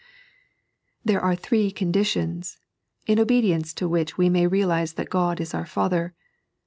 There are thkbs comsitiohs, in obedience to which we may realize that God is our Father.